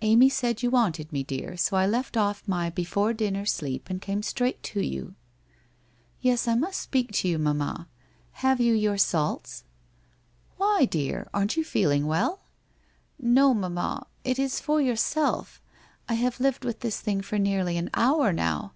1 Amy said you wanted me, dear, so I left off my before dinner sleep and came straight to you.' 1 Yes, I must speak to you, mamma. Have you your salts?' ' Why, dear? Aren't you feeling well? ' 1 Xo, mamma, it is for yourself. I have lived with this thing for nearly an hour now.